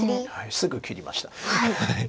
すぐ切りました。